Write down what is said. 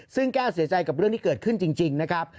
ซึ่งแก้วเสียใจกับเรื่องที่เกิดขึ้นจริงนะครับ